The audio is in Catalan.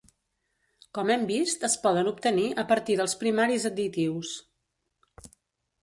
Com hem vist es poden obtenir a partir dels primaris additius.